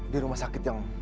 di rumah sakit yang